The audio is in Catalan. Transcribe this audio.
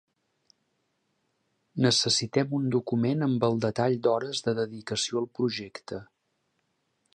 Necessitem un document amb el detall d'hores de dedicació al projecte.